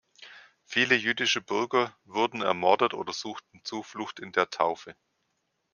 Viele jüdische Bürger wurden ermordet oder suchten Zuflucht in der Taufe.